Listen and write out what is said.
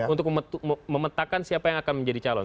untuk memetakan siapa yang akan menjadi calon